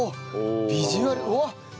ビジュアルおお！